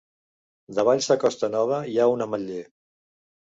Davall sa costa nova hi ha un ametller